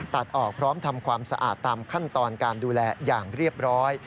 ตัดออกพร้อมทำความสะอาดตามขั้นตอนการดูแลอย่างเรียบร้อย